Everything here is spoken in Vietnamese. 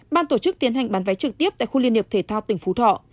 ban tổ chức tiến hành bán vé trực tiếp tại khu liên hiệp thể thao tỉnh phú thọ